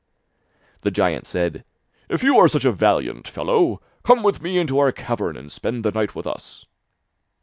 The giant said: 'If you are such a valiant fellow, come with me into our cavern and spend the night with us.